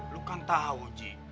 lu kan tahu ji